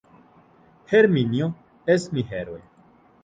Herminio es mi heroe.